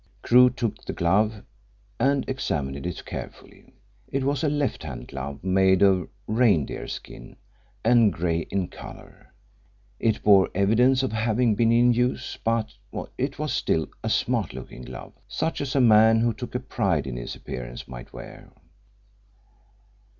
Crewe took the glove and examined it carefully. It was a left hand glove made of reindeer skin, and grey in colour. It bore evidence of having been in use, but it was still a smart looking glove such as a man who took a pride in his appearance might wear.